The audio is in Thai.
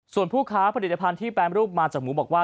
ส่วนผู้ค้าผลิตภัณฑ์ที่แปรรูปมาจากหมูบอกว่า